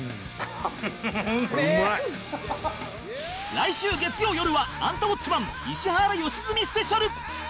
来週月曜よるは『アンタウォッチマン！』石原良純スペシャル！